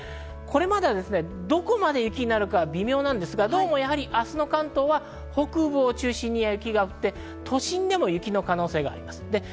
これまではどこまで雪になるか微妙なんですが、明日の関東は北部を中心に雪が降って都心でも雪の可能性があります。